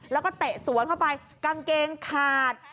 แล้วก็เตะสวนเข้าไปกางเกงขาด